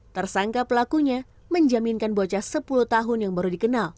tersangka pelakunya menjaminkan bocah sepuluh tahun yang baru dikenal